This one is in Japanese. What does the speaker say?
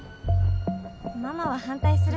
ママは反対するかもな。